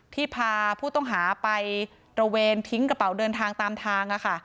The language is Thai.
พาผู้ต้องหาไปตระเวนทิ้งกระเป๋าเดินทางตามทางค่ะ